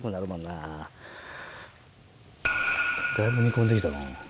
だいぶ煮込んで来たな。